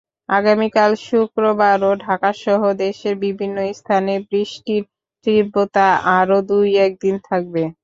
আগামীকাল শুক্রবারও ঢাকাসহ দেশের বিভিন্ন স্থানে বৃষ্টির তীব্রতা আরও দুই একদিন থাকবে।